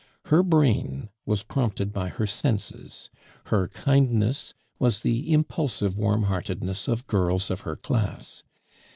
Her brain was prompted by her senses, her kindness was the impulsive warm heartedness of girls of her class.